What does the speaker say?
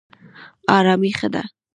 ارامي ښه ده.